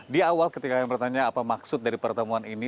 di awal ketika bertanya apa maksud dari pertemuan ini